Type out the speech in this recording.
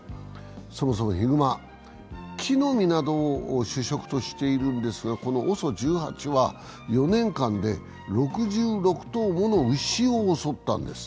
そもそもヒグマ、木の実などを主食としているんですがこのＯＳＯ１８は、４年間で６６頭もの牛を襲ったんです。